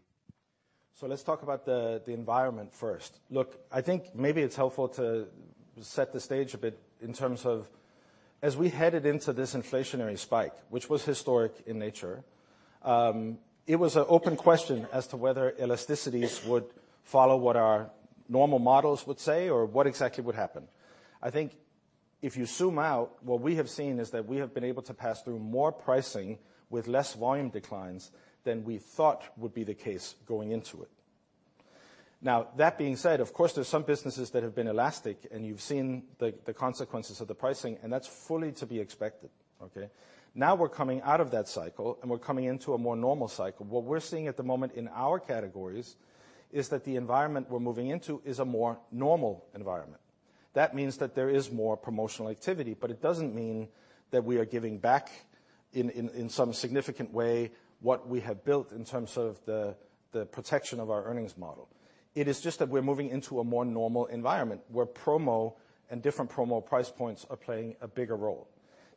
So let's talk about the environment first. Look, I think maybe it's helpful to set the stage a bit in terms of as we headed into this inflationary spike, which was historic in nature, it was an open question as to whether elasticities would follow what our normal models would say or what exactly would happen. I think if you zoom out, what we have seen is that we have been able to pass through more pricing with less volume declines than we thought would be the case going into it. Now, that being said, of course, there's some businesses that have been elastic, and you've seen the consequences of the pricing, and that's fully to be expected, okay? Now, we're coming out of that cycle, and we're coming into a more normal cycle. What we're seeing at the moment in our categories is that the environment we're moving into is a more normal environment. That means that there is more promotional activity, but it doesn't mean that we are giving back in some significant way what we have built in terms of the protection of our earnings model. It is just that we're moving into a more normal environment where promo and different promo price points are playing a bigger role.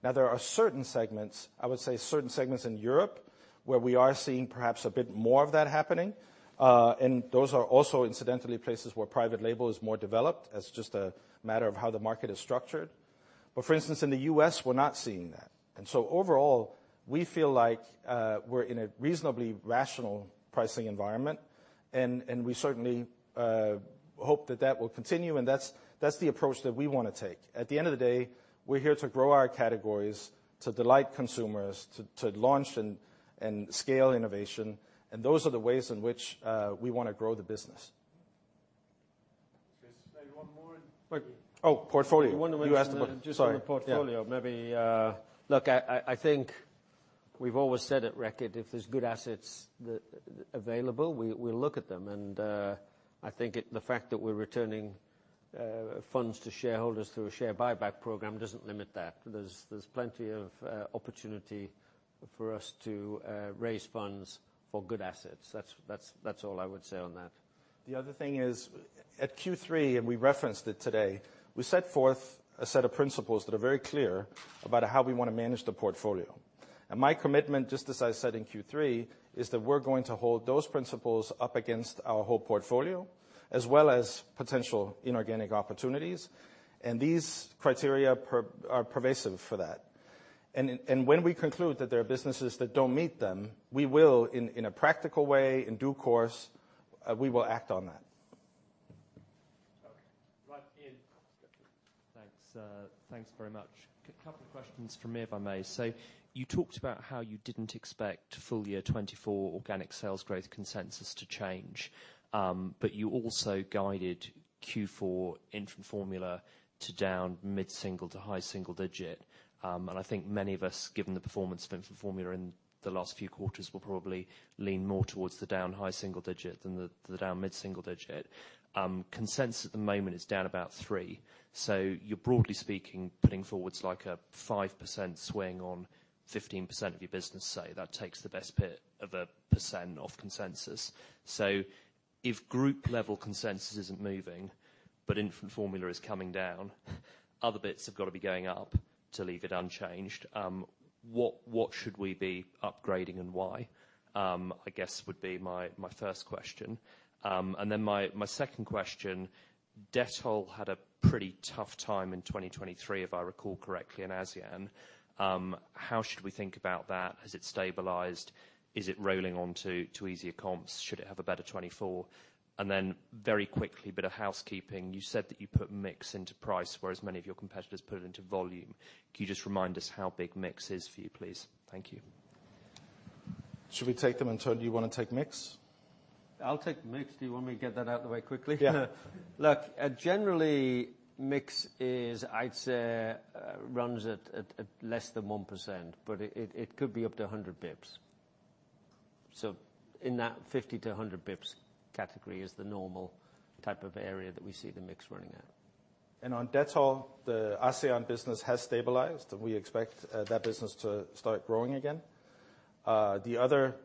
Now, there are certain segments, I would say certain segments in Europe, where we are seeing perhaps a bit more of that happening. And those are also, incidentally, places where private label is more developed as just a matter of how the market is structured. But for instance, in the U.S., we're not seeing that. And so overall, we feel like we're in a reasonably rational pricing environment, and we certainly hope that that will continue. And that's the approach that we want to take. At the end of the day, we're here to grow our categories, to delight consumers, to launch and scale innovation. And those are the ways in which we want to grow the business. Kris, maybe one more? Oh, portfolio. You asked about. Just on the portfolio, maybe. Look, I think we've always said at Reckitt, if there's good assets available, we'll look at them. And I think the fact that we're returning funds to shareholders through a share buyback program doesn't limit that. There's plenty of opportunity for us to raise funds for good assets. That's all I would say on that. The other thing is in Q3, and we referenced it today, we set forth a set of principles that are very clear about how we want to manage the portfolio. My commitment, just as I said in Q3, is that we're going to hold those principles up against our whole portfolio as well as potential inorganic opportunities. These criteria are pervasive for that. When we conclude that there are businesses that don't meet them, we will, in a practical way, in due course, we will act on that. Okay, lain. Thanks. Thanks very much. A couple of questions from me, if I may. So you talked about how you didn't expect full year 2024 organic sales growth consensus to change, but you also guided Q4 infant formula to down mid-single-digit to high-single-digit. And I think many of us, given the performance of infant formula in the last few quarters, will probably lean more towards the down high-single-digit than the down mid-single-digit. Consensus at the moment is down about 3%. So you're broadly speaking putting forward like a 5% swing on 15% of your business, say. That takes the best bit of a percent off consensus. So if group-level consensus isn't moving but infant formula is coming down, other bits have got to be going up to leave it unchanged. What should we be upgrading and why, I guess, would be my first question. Then my second question, Dettol had a pretty tough time in 2023, if I recall correctly, and ASEAN. How should we think about that? Has it stabilized? Is it rolling onto easier comps? Should it have a better 2024? Then very quickly, bit of housekeeping. You said that you put mix into price, whereas many of your competitors put it into volume. Can you just remind us how big mix is for you, please? Thank you. Should we take them and Shannon? Do you want to take mix? I'll take mix. Do you want me to get that out of the way quickly? Yeah. Look, generally, mix is, I'd say, runs at less than 1%, but it could be up to 100 basis points. So in that 50-100 basis points category is the normal type of area that we see the mix running at. On Dettol, the ASEAN business has stabilized, and we expect that business to start growing again. The other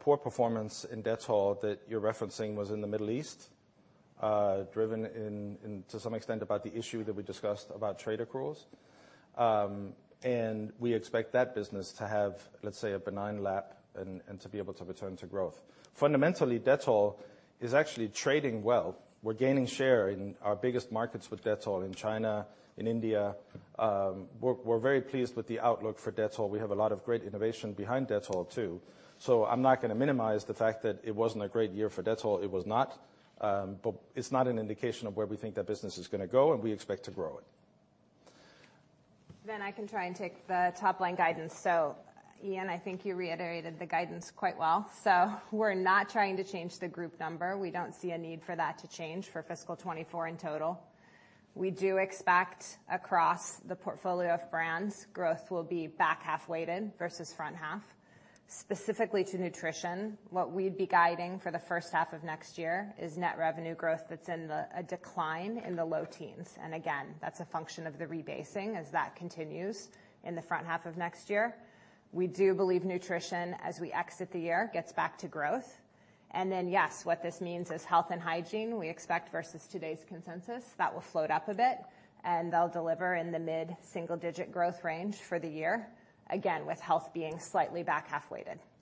poor performance in Dettol that you're referencing was in the Middle East, driven to some extent about the issue that we discussed about trade accruals. We expect that business to have, let's say, a benign lap and to be able to return to growth. Fundamentally, Dettol is actually trading well. We're gaining share in our biggest markets with Dettol, in China, in India. We're very pleased with the outlook for Dettol. We have a lot of great innovation behind Dettol, too. So I'm not going to minimize the fact that it wasn't a great year for Dettol. It was not. But it's not an indication of where we think that business is going to go, and we expect to grow it. Then I can try and take the top-line guidance. So Ian, I think you reiterated the guidance quite well. So we're not trying to change the group number. We don't see a need for that to change for fiscal 2024 in total. We do expect across the portfolio of brands, growth will be back-half-weighted versus front-half. Specifically to nutrition, what we'd be guiding for the first half of next year is net revenue growth that's in a decline in the low teens. And again, that's a function of the rebasing as that continues in the front half of next year. We do believe nutrition, as we exit the year, gets back to growth. And then, yes, what this means is Health and Hygiene, we expect, versus today's consensus, that will float up a bit, and they'll deliver in the mid-single-digit growth range for the year, again, with Health being slightly back-half-weighted. Okay. Well, thank you very much for attending. Thank you.